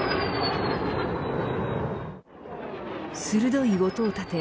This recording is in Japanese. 鋭い音を立て